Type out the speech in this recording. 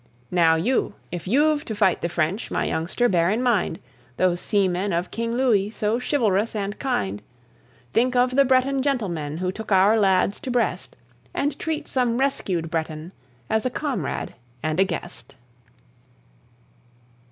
Now you, if you've to fight the French, my youngster, bear in mind Those seamen of King Louis so chivalrous and kind; Think of the Breton gentlemen who took our lads to Brest, And treat some rescued Breton as a comrade and a guest.